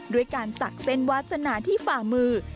ด้วยการสักเส้นวาสนาที่ฝ่ามือ